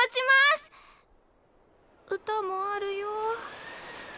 歌もあるよ。